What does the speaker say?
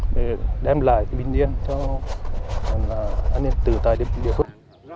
để đem lại bình yên cho an ninh tự tại địa phương